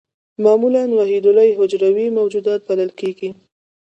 معمولاً وحیدالحجروي موجودات بلل کېږي.